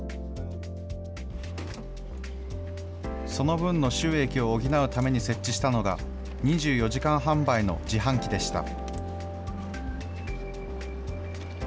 その分の収益を補うために設置したのが、２４時間販売の自販機でした。